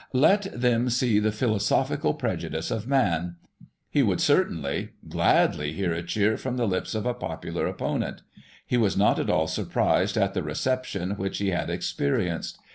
Let them see the philosophical prejudice of Man. He would, certainly, gladly hear a cheer from the lips of a popular opponent He was not at all surprised at the reception which he had ex perienced.